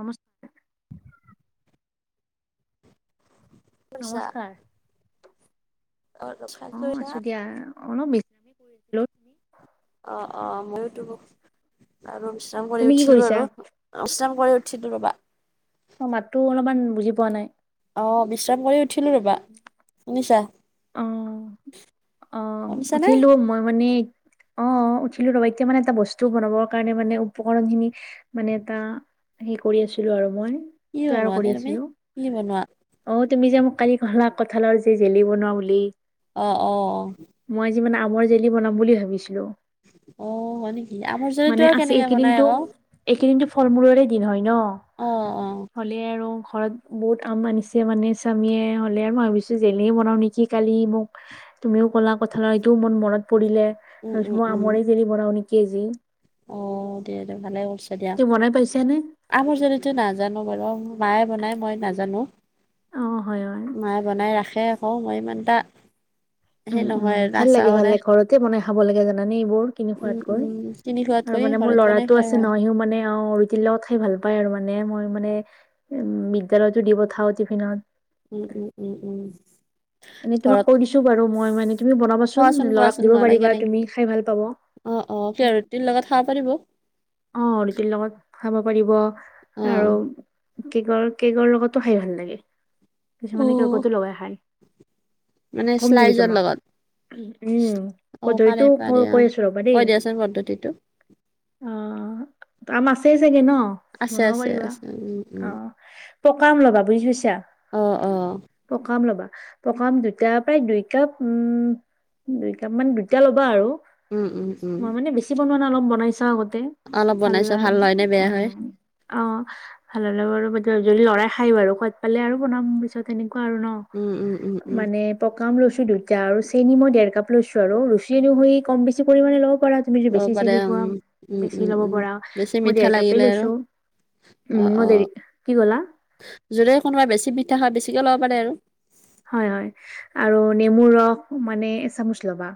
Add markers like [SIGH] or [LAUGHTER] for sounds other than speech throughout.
নমস্কাৰ কৰিছা নমস্কাৰ খাই অ কৰিছা আছো দিয়া অলপ বিশছ্ অ অ মইতো আৰু বিশ্ৰাম কৰি তুমি কি উঠিলো কৰিছা? আৰু বিশ্ৰাম হৈ উঠিলু ৰ'বা অ মাততো অলপমান বুজি পোৱা নাই অ বিশ্ৰাম কৰি উঠিলো ৰবা শুনিছা অ অ শুনিছানে উঠিলো মই মানে অ উঠিলো ৰ এতিয়া মানে এটা বস্তু বনাবৰ কাৰণে মানে উপকৰণ খিনি মানে এটা হ কি বনোৱা কৰি নে তুমি কি বনোৱা তুি [UNINTELLIGIBLE] কানি কঁঠলা কঁঠালৰ যি জেলি বনোৱা বুলি অ অ অ যি মে আমৰ জেলি বনাম বুলি ভাবিছো অ' হয় নেকি আমৰ জলিটো মানে আৰু আছে কেনেকে বনাই এইকেইদিনটো আকৌ এইকেইদিন ফল মুলৰেদিন হয় ন অ' অ' হ'লে আৰু ঘৰত বহুত আম আনিছে মানে স্বামীয়ে হ'লে আৰু মই ভাবিছো জেলে বনাও নেকি কালি মোক তুমিও ক'লা কথাল এইটোও মোৰ মনত পৰিলে উম তাৰপিছত উম মই উম আমৰে জেলি বৰা কে জি অ দিয়া দে ভালে কৰিছা দিয়া তুমি বনাই পাইছানে আমাৰ যনিতো নাজানো বাৰু মায়ে বনাই মই নাজানো অ হয় হয় মায়ে বনাই ৰাখে অ মই মনটাা উম উম ভাল লাগে ভাল লাগে ঘৰতে বনাই খাব লাগে জানানে এইবোৰ কিনি উম খোৱাতকৈ উম কিনি খোৱাত আৰু কৰি মানে মোৰ ঘৰত বনাই ল'ৰাতটো খাই আছে ভাল নহ সিও মানে অ ৰিতিৰ লগত খাই ভাল পায় আৰু মানে মানে মই মানে উ বিদ্য়ালয়তো দি পঠাও টিফিনত উম উম উম উম এনে তোমাক ঘৰত কৈ দিছো বাৰু মই মানে তুমি বনাবাচোন খোৱাচোন ল'ৰাক খোৱাচোন দিব নহ'লে পাৰিবা কেনে তুমি খাই ভাল পাব অ অ উম স ৰুটিৰ লগত খাব পাৰিব অ উিক লগ লগত খাব পাৰিব আৰু কেকৰ কেকৰ লগতো খাই ভাল লাগে কিছুমানে অ কতো লগাই হয় মানে চলাইজৰ লগত উম অ', পাৰে পধৰিতো ক পাৰে অ'। কৈ আছো ৰ'বা দেই কৈ দিয়াচোন পদ্ধতিটো অ ত ম আাছেই চাগে ন আছে বনাব আছে পাৰিবা আছে উম, উম। অ পকা আম ল'বা বুজি পাইছা অ', অ', পকা আম ল'বা। পকা আম দুইটা প্ৰায় দুই কাপ উম দুই কাপ মান দুইটা ল'বা আৰু। উম উম উম। মই [UNINTELLIGIBLE] অলপ বনাইছা আগতে অলপ ভাল বনাই চোৱা আম হয় নে বেয়া হয়। উম অ ভাল হলে বাৰু [UNINTELLIGIBLE] যদি ল'ৰাই খাই বাৰু খোৱাদ পালে আৰু বনাম পিছত সেনেকুৱা আৰু ন উম, উম, উম, উম, মানে প কা আম লৈছো আৰু দুইটা আৰু চেনি মই ডেৰ কাপ লৈছো আৰু ৰুচি হৈয়ে কম-বেছি পৰিমানে লব পৰা তুমি যদি ল'ব বেছি পাৰে চেনি খোৱা উম, উম, বেছি উম, লব উম, পাৰা বেছি মই মিঠা দেৰ কাপেই লাগিলে আৰু লৈছো। অ উম মই অ দেৰি কি ক'লা যোনে কোনোবাই বেছি মিঠা খাই বেছিকে লব পাৰে আৰু। হয় হয় আৰু নেমুৰ ৰস মানে এচামুচ ল'বা।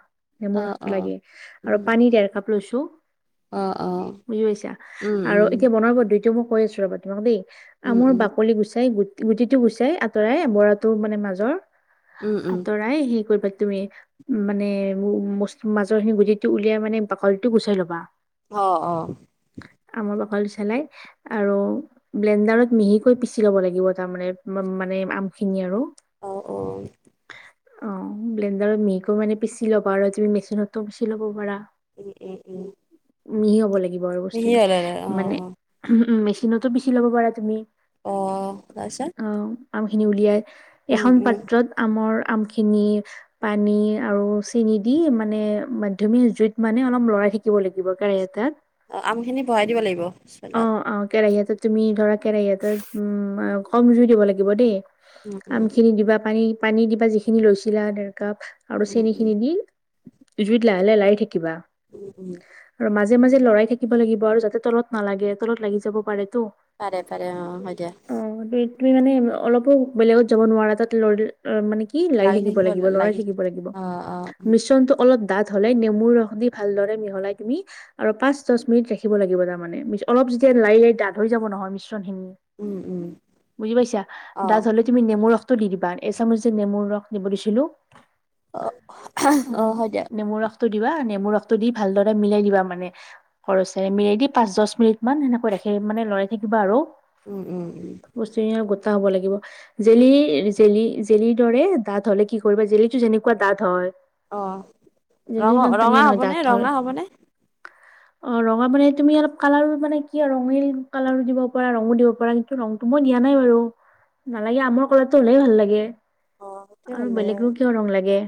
অ', নেমুৰ ৰসটো অ', লাগে আৰু উম। পানী ডেৰ কাপ লৈছো। অ', অ', বুজি পাইছা? উম, উম, আৰু এতিয়া বনাও মই দুইটা কৈ আছো ৰবা তোমাক দেই। উম, আমোৰ উম, বাকলি গুচাই গু গুটিটো গুচাই আঁতৰাই বৰাটো মানে মাজৰ উম, উম, আঁতৰাই সেই কৰিবা তুমি উ মানে মাজৰ খিনি গুটিটো উলিয়াই মানে বাকলিটো গুচাই ল'বা অ অ। আমৰ বাকলিটো চেলাই আৰু ব্লেণ্ডাৰত মিহিকৈ পিচি ল'ব লাগিব তাৰমানে মানে আমখিনি আৰু। অ অ। অ ব্লেণ্ডাৰত মিহিকৈ মানে পিচি ল'বা আৰু তুমি মেচিনতো পিচি ল'ব পাৰা। উম উম উম। মিহি হ'ব লাগিব আৰু বস্তু মিহি হ'ললে অ', মানে অ', উ মেচিনতো পিচি ল'ব পাৰা তুমি। অ', তাৰপিছত অ আমখিনি উলিয়াই উম, এখন উম, পাত্ৰত আমৰ আমখিনি পানী আৰু চেনি দি মানে মধ্যমীয়া জুইত মানে অলপ লৰাই থাকিব লাগিব কেৰাহী এটাত। অ আমখিনি বঢ়াই দিব লাগিব? অ চোলাত অ কেৰাহী এটাত তুমি ধৰা কেৰাহী এটাত উম কম জুই দিব লাগিব দেই। উম, উম, আমখিনি দিবা, পানী পানী দিবা যিখিনি লৈছিলা আৰু উম, উম, চেনিখিনি দি জুইত লাহে লাহে লাৰি থাকিবা উম, উম, আৰু মাজে মাজে মাজে লৰাই থাকিব লাগিব আৰু যাতে তলত নালাগে তলত লাগি যাব পাৰে। পাৰে পাৰে অ হয় দিয়া। তুমি তুমি মানে অলপো বেলেগত যাব নোৱাৰা তাত লৰি মানে কি লাৰি লাগি থাকিব লাগিব, লৰাই লাগি থাকিব লাগিব অ', অ', মিশ্ৰণটো অলপ ডাঠ হ'লে নেমুৰ ৰস দি ভালদৰে মিহলাই তুমি আৰু পাঁচ দচ মিনিট ৰাখিব লাগিব তাৰমানে। অলপ যেতিয়া লাৰি লাৰি ডাঠ হৈ যাব নহয় মিশ্ৰ [UNINTELLIGIBLE] উম, উম, বুজি পাইছা ডাঠ অ', হলে তুমি নেমুৰ ৰস দি দিবা এচামুচ যে নেমুৰ ৰস দিব দিছিলো অ অ হয় দিয়া নেমুৰ ৰসটো দিবা নেমুৰ ৰসটো দি ভালদৰে মিলাই দিবা মানে কৰচেৰে মিনিট মান সেনেকৈ ৰাখি মানে লৰাই থাকিব আৰু উম উম উম। বস্তুখিনি অলপ গোটা হব লাগিব জেলি জেলি জেলিৰ দৰে দাঁত হলে কি কৰিবা জেলিটো যেনেকুৱা দাত হয় অ জেলিটো ৰঙা ইমান পানীয়া ৰঙা নহয় ডাঠ হ'বনে, হয়। ৰঙা হ'বনে? অ ৰঙা বনাই তুমি অলপ কালাৰ মানে কি ৰঙিল কালাৰো, দিব পাৰা ৰঙো দিব পাৰা কিন্তু ৰংটো মই দিয়া নাই বাৰু। নালাগে আমাৰ কলাৰটো হওলেই ভাল লাগে। অ', সেইটোৱে আৰু ভাল লাগে বেলেগৰো কিয় ৰং লাগে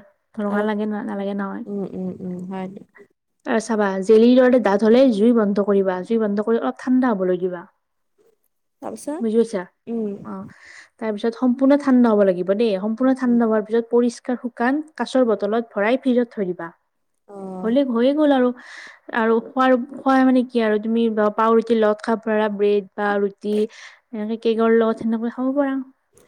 ৰঙা আৰু লাগে নালাগে নহ। উম, উম, উম, হয় দিয়া। আছ বা জেলিৰ দৰে ডাঠ হলে জুই বন্ধ কৰিবা জুই বন্ধ কৰি অলপ ঠাণ্ডা হ'বলৈ দিবা। তাৰপিছত বুজি পাইছা উম, অ',। তাৰ পিছত সম্পূৰ্ণ ঠাণ্ড হব লাগিব দেই সম্পূৰ্ণ উম, ঠাণ্ডা হোৱাৰ পিছত পৰিষ্কাৰ শুকান কাচৰ বটলত ভৰাই ফ্ৰিজত থৈ দিবা অ', হলে হৈয়ে গ'ল আৰু। আৰু খোৱাৰ খোৱাই মানে কি আৰু তুমি বা পাও ৰুটিৰ লগত খাব পাৰা ব্ৰেড বা ৰুটি এনেকে কেকৰ লগত সেনেকৈ খাব পাৰা।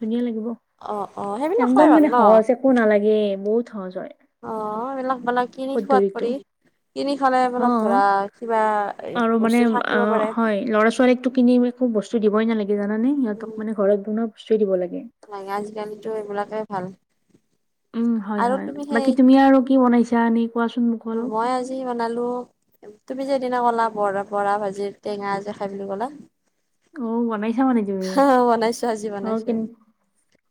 ধুনীয়া লাগিব অ', অ', সেইবিলাক খাই একদম ভাল মানে ন সহজ একো নালাগে বহুত সহজ হয়। অ', এইবিলাক মানে কিনি খোৱাত পদ্ধতিটো পৰি কিনি খালে অ অলপ ধৰা কিবা আৰু মানে বস্তু অ, থাকিব পাৰে হয় ল'ৰা ছোৱালীকতো কিনি একো বস্তু দিবই নালাগে। জানে সিহতক উম মানে ঘৰত বনোৱা দিব লাগে। লাগে আজিকালিতো এইবিলাকে ভাল উম হয়, আৰু হয় তুমি বাকী সেই তুমি আৰু কি বনাইছা এনে কোৱাচোন মোক অলপ মই আজি বনালো তুমি সিদিনা কলা বৰা বৰা ভাজি টেঙা যে খাই বুলি ক'লা অ', মনে আহ বনাইছো আজি বনাইছো্ কেন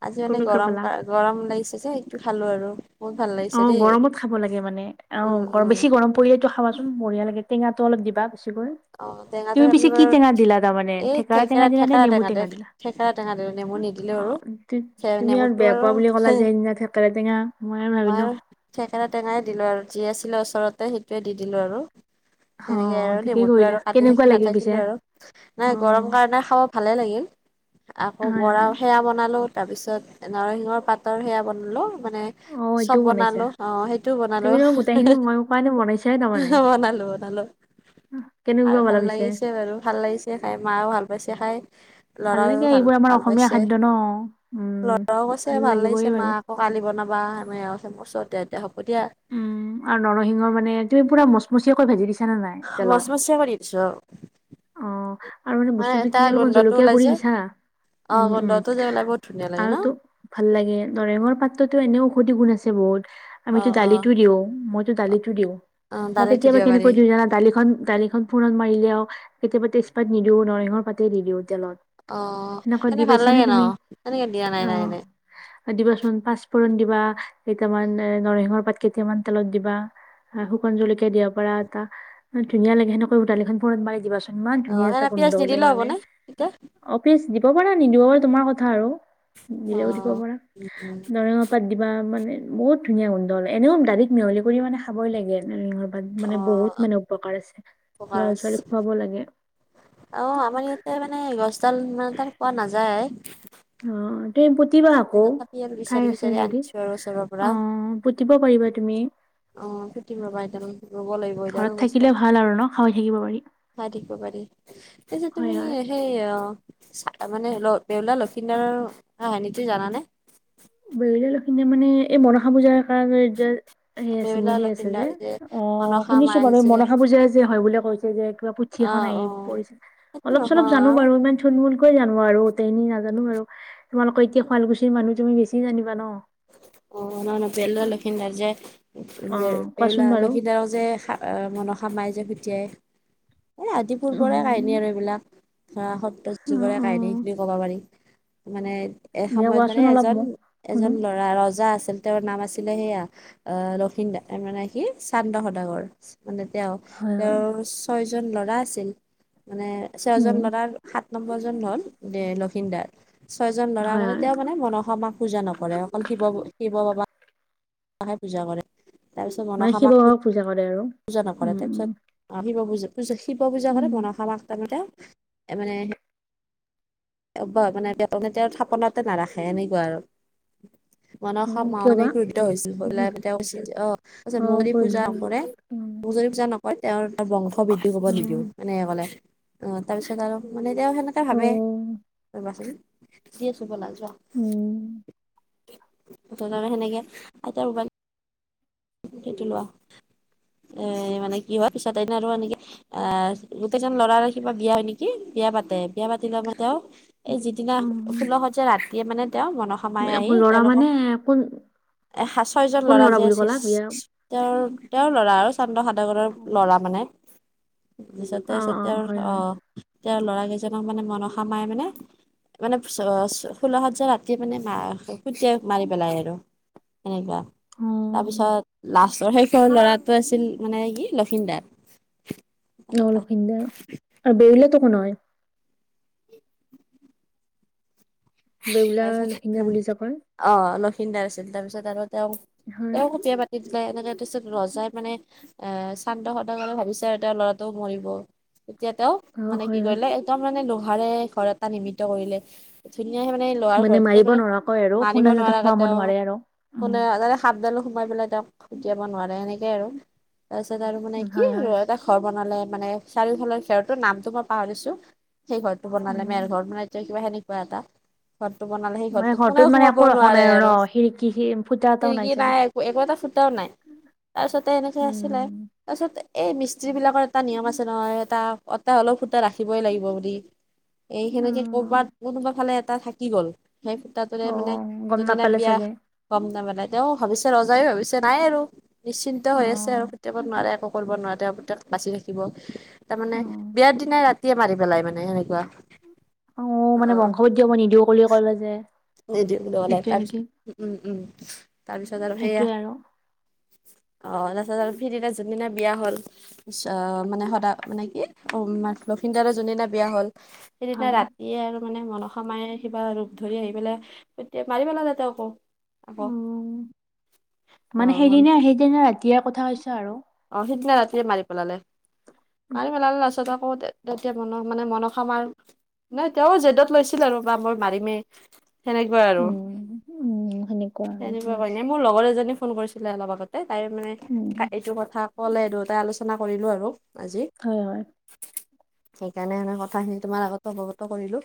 আজি মানে কেনেকৈ গৰম পালা ক গৰম লাগিছে যে সেইটো খালো আৰু বহুত ভাল লাগিছে অ', দেই গৰমত খাব লাগে মানে উম অ', উম বেছি গৰম পৰিলেতটো খাবাচোন বঢ়িয়া লাগে। টেঙাটো অলপ দিবা বেছি কৈ অ টেঙাটো তুমি আমি পিছে কি বাৰু টেঙা দিলা তাৰমানে এই ঠেকাৰা টেঙা থেকেৰা দিলা নে থেকেৰা নেমু দে টেঙা দিলা। থেকেৰা টেঙা দিলো নেমু নিদিলেও আৰু অ', তুমি আৰু বেয়া পোৱা বুলি কলা যে সেইদিনা ঠেকেৰা টেঙা। মই আৰু থেকেৰা টেঙাই দিলোঁ আৰু যি আছিলে ওচৰতে সেইটোৱে দি দিলোঁ আৰু। তেনেকে আৰু অ', ঠিকেই ক নেমুটো আৰু কাটি থাকি নাথাকিলো আৰু অ নাই গৰম কাৰণে খাব ভালে লাগিল। আকৌ হয় বৰা হয় সেৱয়া বনালো তাৰ পিছত নৰসিংহৰ পাতৰ সেয়া বনালো। মানে অ এইটোও চব বনাইছা বনালো অ সেইটোও তুমি বনালো দেখোন গোটেইখিনি মই কাৰণে বনালো। না [UNINTELLIGIBLE] উ। খাই ভাল লাগিছে বাৰু ভাল লাগিছে খাই মাও ভাল পাইছে খাই। লৰাও লাগে ভাল এইবোৰ আমাৰ ভাল অসমীয়া পাইছে খাদ্য ন উম লৰাও কৈছে ভাল লাগিবই লাগিছে মা বাৰু আকৌ কালি বনাব বামে আছ [UNINTELLIGIBLE] উম আৰু নৰসিংহৰ মানে তুমি পুৰা মচমচিয়াকৈ ভাজি দিছা জানা নাই মচ তেলত মচিয়া কৰি দিছো আৰু অ', আৰু মানে বস্তুটো এটা কি অলপমান গোন্ধটো জলকীয়া ওলাই গুড়ি যে দিছা। অ উম, উম গোন্ধটো যে ওলাই বহুত ধুনীয়া লাগে ন আৰুটো ভাল লাগে নৰেঙৰ পাত্ৰতো এনে ঔষধি গুণ আছে। বহুত। অ অ', দালিটো দি মইতো দালিটো দিও অ', মই দালিতো কেতিয়া দিব কেনেক পাৰি দিও জানা দা খন ফুৰত মাৰিলে আৰু কেতিয়াবা তেজপাত নিদিও নৰিংৰ পাতে দি দিওঁ তেলত। অ', সেনেকুৱা দি সনেক ভাল পাইছানে লাগে ন তুমি? সনেকে দিয়া নাই, নাই অ' এনে দিবাচোন পাঁচফোৰণ দিবা কেইটামান এ নৰসিংহৰ পাত কেইটামান তেলত দিবা। আৰু শুকান জলকীয়া দিব পৰা এটা ধুনীয়া লাগে, সেনেকৈ [UNINTELLIGIBLE] মাৰি দিবাচোন। ইমান অ ধুনীয়া এটা সেনে গোন্ধ পিয়াজ ওলাই নিদিলেও মানে হ'বনে তেতিয়া অফিচ দিব পৰা নিদিব পাৰ তোমাৰ কথা আৰু অ দিলেও দিব পাৰা উম, উম, নৰসিংহ পাত দিবা মানে বহুত ধুনীয়া গোণ্ড এনেও দালিত মিহলি কৰি মানে খাবই লাগে। অ মানে বহুত মানে উপকাৰ আছে ল'ৰা পকাৰচ ছোৱালীক খুৱাব লাগে। অ', আমাৰ ইয়াতে মানে গছডাল মানে তাত পোৱা নাযায়। [UNINTELLIGIBLE] পুতিবা আকৌ তথাপি আৰু ঠাই বিচাৰি আছে বিচাৰি যদি আনিছো আৰু ওচৰৰ পৰা আহ পুতিব পাৰিবা তুমি অ', পুটি ৰবা এটা মান। ঘৰত থাকিলে ভাল আৰু ন খাই থাকিব পাৰি। [UNINTELLIGIBLE] হয় তুমি হয় সেই অ ত মানে বেউলা লক্ষিদাৰৰ কাহানিটো জানানে। বেউলা লখিম মানে এই মনসা পূজাৰ কাৰণে যে সেই আছে, বেউলা সেই আছে যে লক্ষিন্দাৰ অ মনসা শুনিছো মাই বাৰু যে মনসা পূজাই যে হয় বুলি কৈছে যে কিবা পুথি এখন অ', আহি অ', পৰিছিল সেইটো অলপ চলপ নহয় জানো অ', বাৰু ইমান থুলমূল জানো আৰু গোটেই খিনি নাজানো আৰু তোমালোকৰ এতিয়া শুৱালকুছিৰ মানুহ তুমি বেছি জানিবা ন। নাই নাই বেউলা লখিন্দৰ অ যে কোৱাচোন বেউলা বাৰু লক্ষীদাৰক যে মনসা মাই যে খুটিয়াই এই আদি অ পূৰ্বৰে কাহিনী আৰু এইবিলাক ধৰা সত্য অ যুগৰে অ কাহিনী বুলি ক'ব পাৰি। মানে দিয়া এসময়ত মানে কোৱাচোন অলপ এজন, মোক শুনো এজন ল'ৰা ৰজা আছে। তেওঁৰ নাম আছিলে সেয়া আহ লক্ষিণ দা মানে কি চান্দ সদাগৰ। মানে তেওঁ, হয় হয় তেওঁৰ ছয়জন ল'ৰা আছিল। মানে উম ছয়জন ল'ৰাৰ সাত নম্বৰ জন হ'ল দে লক্ষীনদৰ। ছয়জন ল'ৰা হয় মানে হয় তেওঁ মানে মনসা মাক পূজা নকৰে। অকল শিৱ, শিৱ বাবা পূজা কৰে তাৰপিছত মানে মনসা শিৱ মাক বাবাক পূজা কৰে আৰু পূজা নকৰে উম তাৰ উম পিছত আহিব পুজা শিৱ পূজা কৰে উম মনসা মাক তাৰমানে মানে [UNINTELLIGIBLE] তেওঁৰ থাপনাতে নাৰাখে এনেকুৱা আৰু উম, কিয় বা [UNINTELLIGIBLE] পূজা কৰে মোক যদি পূজা নকৰে তেওঁৰ বংশ বৃদ্ধি হব নিদিও, মানে তেনেকৈ কলে। অ তাৰপিছত আৰু মানে এতিয়াও সেনেকে ভাবে। দি আছো বলা যোৱা। উম, সেনেকে [UNINTELLIGIBLE] এইটো লোৱা এ মানে কি হয় পিছত এনে আৰু এনেকি এ গোটেইজন লৰা কিবা বিয়া হয় নেকি। বিয়া পাতে বিয়া পাতিলে তেওঁ, এই যিদিনা ষোল হাজাৰ যে [UNINTELLIGIBLE] মানে তেওঁ মনসা মাই আহি ল'ৰা তেওঁলোকৰ মানে কোন, এ সাত ছয় জন কোন ল'ৰা যে বুলি আছিল ক'লা বিয়া? তেওঁৰ, তেওঁৰ ল'ৰা আৰু চান্দ সদাগৰৰ অ', লৰা মানে পিছত তাৰপিছত অ', তেওঁৰ হয়, হয়। আহ তেওঁৰ ল'ৰা কেইজনক মানে মনসা মাই মানে মানে ফুল শৈজা ৰাতিয়ে মানে খুটিয়াই মাৰি পেলাই আৰু এনেকোৱা। অ', তাৰপিছত লাষ্টৰ শেষ ল'ৰাটো আছিল মানে কি লখিন্দৰ। লখিন্দৰ আৰু বেউলা টো কোন হয়। বেউলা লখিন্দৰ বুলি যে [UNINTELLIGIBLE] কয়। অ আছিল তাৰপিছত আৰু তেওঁ, হয়, তেওঁ বিয়া পাতি এনেকে তাৰপিছত ৰজাই মানে এ চান্দ সদাগৰ ভাবিছে আৰু তেওঁৰ ল'ৰাটোও মৰিব। তেতিয়া তেওঁ অ', মানে কি হয়, হয়। কৰিলে একদম মানে লোহাৰে ঘৰ এটা নিৰ্মিত কৰিলে। [UNINTELLIGIBLE] মান ঘৰতো মাৰিব মানে নোৱাৰাকৈ আৰু মাৰিব খুন্দা যাতে নোৱাৰাকে খুৱাব নোৱাৰে আৰু। উম, তেওঁ সাপডাল সোমাই পেলাই তেওঁক ফুটিয়াব নোৱাৰে এনেকে আৰু তাৰ পিছত আৰু মানে উম, কি হয়, হয়। ৰ মানে চাৰিওফালৰ খেৰটো নামটো মই পাহৰিছো সেই ঘৰটো বনালে উম, মেৰ ঘৰ মানে এতিয়া কিবা সেনেক ক এটা ঘৰটো বনালে সেই মানে ঘৰটো ঘৰটোত কোনেও মানে সোমাব একো ৰখা নাই নোৱাৰে ন? আৰু খিৰিকী, সি- ফুটা এটাও হিৰিকি চাগে। নাই একো একো এটা ফুটাও নাই তাৰপিছতে এনেকে আছিলে উম, তাৰপিছতে এই মিস্ত্ৰী বিলাকৰ এটা নিয়ম আছে নহয় এটা এটা হ'লেও ফুটা ৰাখিবই লাগিব বুলি। এই সেনেকে কৰবাত অ', কোনোবা ফালে এটা থাকি গ'ল। সেই সুতটোৰে মানে অ', গম যোনদিনা নাপালে বিয়া চাগে। গম নাপালাই তেওঁ ভাবিছে ৰ যায় ভাবিছে নাই আৰু নিশ্চিন্ত হৈ আছে আৰু অ', কেতিয়াবা নোৱাৰে একো কৰিব নোৱাৰেপক বাচি থাকিব তাৰ মানে অ', বিয়াৰ দিনাই ৰাতিয়ে মাৰি পেলাই মানে সেনেকুৱা। অ মানে বংশভত মই নিদিও ক কলে যে স সেইটোৱে নেকি তাৰপিছত উম উম তাৰপিছত আৰু সেইটোৱে সেয়া [INAUDIBLE] অ' তাৰপিছত আৰু সিদিনা যোনদিনা বিয়া হ'ল ছ মানে সদা মানে কি [UNINTELLIGIBLE] যোনদিনা বিয়া হ'ল সেইদিনা হয় ৰাতিয়ে আৰু মানে মনসা মায়ে কিবা ৰূপ ধৰি আহি লে তেতিয়া মাৰি পেলালে [UNINTELLIGIBLE] আকৌ। উম, অ মানে সেইদিনা- সেইদিনা ৰাতিয়ে কথা হৈছে আৰু। অ' সিদিনা ৰাতিয়ে মাৰি পেলালে মাৰি, মাৰি পেলালে লাষ্টত আৰু [UNINTELLIGIBLE] তেতিয়া মন মানে মনসা মাৰ নাই তেওঁ জেদত লৈছিল আৰু বা মই মাৰিমেই। তেনেকুৱাই আৰু উম, উম, আৰু সেনেকুৱা কৈ মোৰ লগৰ এজনী ফোন কৰিছিলে অলপ আগতে। তাই মানে উম, এইটো কথা ক'লে দুটাই আলোচনা কৰিলো আৰু। আজি। হয়, হয়। সেইকাৰণে মানে কথাখিনি তোমাৰ আগতে অৱগত কৰিলো।